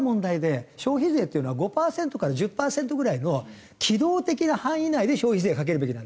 消費税っていうのは５パーセントから１０パーセントぐらいの機動的な範囲内で消費税をかけるべきなんですよ。